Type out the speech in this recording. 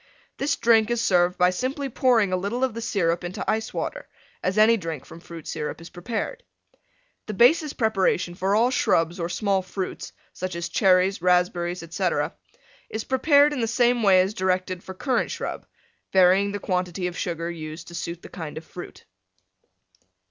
This drink is served by simply pouring a little of the Syrup into Ice Water, as any drink from Fruit Syrup is prepared. The basis preparation for all Shrubs or Small Fruits, such as Cherries, Raspberries, etc., is prepared in the same way as directed for Currant Shrub, varying the quantity of Sugar used to suit the kind of Fruit.